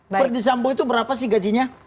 verdi sambo itu berapa sih gajinya